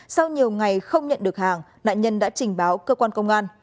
sau nhiều ngày không nhận được hàng nạn nhân đã trình báo cơ quan công an